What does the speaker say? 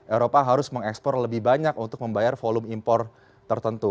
eropa harus mengekspor lebih banyak untuk membayar volume impor tertentu